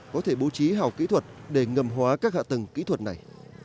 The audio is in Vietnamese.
có thể bố trí hào kỹ thuật để ngầm hóa các hạ tầng kỹ thuật này